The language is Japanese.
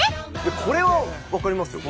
これは分かりますよ。